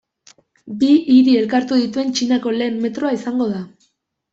Bi hiri elkartuko dituen Txinako lehen metroa izango da.